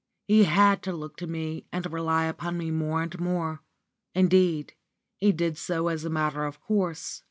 He had to look to me and rely upon me more and more. Indeed, he did so as a matter of course.